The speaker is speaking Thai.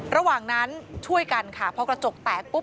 ระหว่างนั้นช่วยกันค่ะพอกระจกแตกปุ๊บ